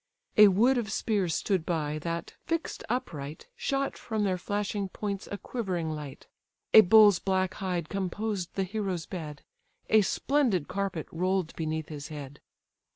A wood of spears stood by, that, fix'd upright, Shot from their flashing points a quivering light. A bull's black hide composed the hero's bed; A splendid carpet roll'd beneath his head.